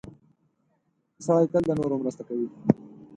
• ښه سړی تل د نورو مرسته کوي.